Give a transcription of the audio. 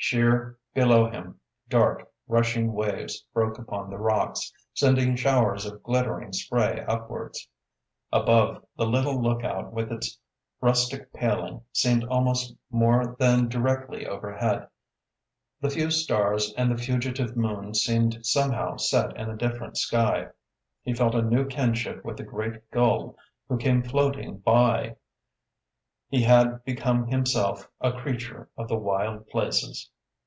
Sheer below him, dark, rushing waves broke upon the rocks, sending showers of glittering spray upwards. Above, the little lookout with its rustic paling seemed almost more than directly overhead. The few stars and the fugitive moon seemed somehow set in a different sky. He felt a new kinship with a great gull who came floating by. He had become himself a creature of the wild places.